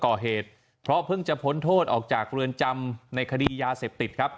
ก่อเหตุเพราะเพิ่งจะพ้นโทษออกจากเรือนจำในคดียาเสพติดครับ